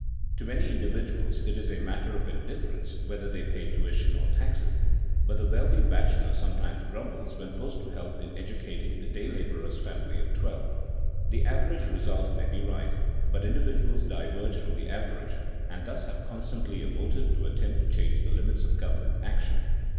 To many individuals it is a matter of indifference whether they pay tuition or taxes, but the wealthy bachelor sometimes grumbles when forced to help in educating the day laborer's family of twelve. The average result may be right, but individuals diverge from the average and thus have constantly a motive to attempt to change the limits of governmental action.